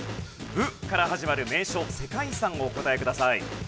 「ブ」から始まる名所・世界遺産をお答えください。